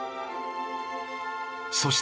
［そして］